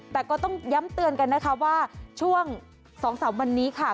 แต่ก็ต้องย้ำเตือนกันนะคะว่าช่วง๒๓วันนี้ค่ะ